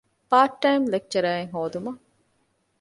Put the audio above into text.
ޕާޓް ޓައިމް ލެކްޗަރަރެއް ހޯދުމަށް